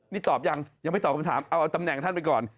นี่ตอบยังยังไม่ตอบคำถามเอาตำแหน่งท่านไปก่อน